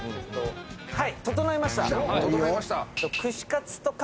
はい整いました！